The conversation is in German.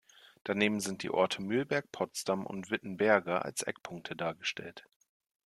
Daneben sind die Orte Mühlberg, Potsdam und Wittenberge als Eckpunkte dargestellt.